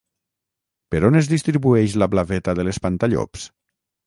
Per on es distribueix la blaveta de l'espantallops?